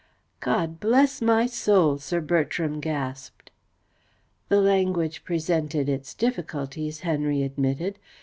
"God bless my soul!" Sir Bertram gasped. "The language presented its difficulties," Henry admitted.